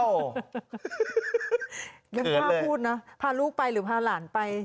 ยังพาพูดนะพาลูกไปหรือพาหลานไป